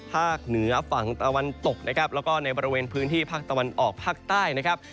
เหนือฝั่งตะวันตกนะครับแล้วก็ในบริเวณพื้นที่ภาคตะวันออกภาคใต้นะครับ